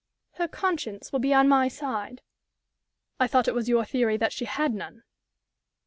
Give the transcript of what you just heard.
"Her conscience will be on my side." "I thought it was your theory that she had none?"